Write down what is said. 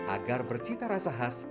agar bercita rasa khas